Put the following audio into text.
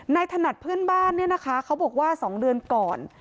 ถนัดเพื่อนบ้านเนี่ยนะคะเขาบอกว่า๒เดือนก่อน